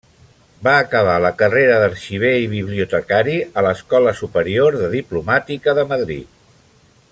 Va acabar la carrera d'arxiver i bibliotecari a l'Escola Superior de Diplomàtica de Madrid.